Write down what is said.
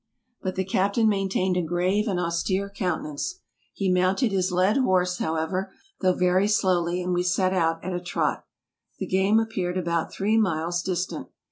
But the captain maintained a grave and austere counte nance. He mounted his led horse, however, though very slowly; and we set out at a trot. The game appeared about three miles' distant.